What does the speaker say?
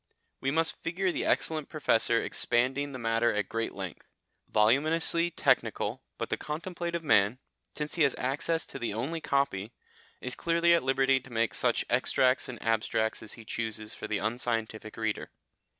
We must figure the excellent Professor expanding the matter at great length, voluminously technical, but the contemplative man since he has access to the only copy is clearly at liberty to make such extracts and abstracts as he chooses for the unscientific reader.